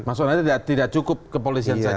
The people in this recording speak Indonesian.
maksudnya itu tidak cukup kepolisian saja